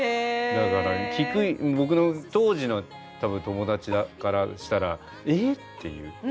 だから僕の当時の多分友達からしたら「え！」っていう。